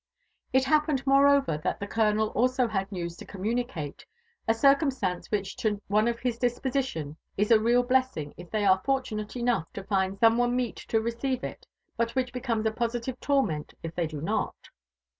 It happened, moreover, that the <;olonel also had news to com municate; a circumstance which to one of his disposition is a real blessing if they are fortunate enough to find some one meet to receive it, but which becomes a positive torment if they do not.